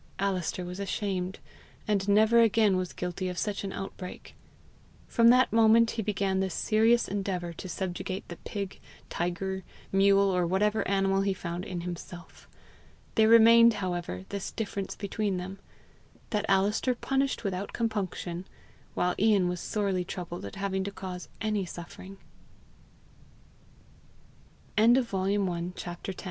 Alister was ashamed, and never again was guilty of such an outbreak. From that moment he began the serious endeavour to subjugate the pig, tiger, mule, or whatever animal he found in himself. There remained, however, this difference between them that Alister punished without compunction, while Ian was sorely troubled at having to cause any suffering. CHAPTER XI. THE FIR GROVE.